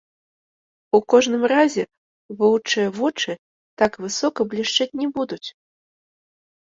У кожным разе воўчыя вочы так высока блішчаць не будуць.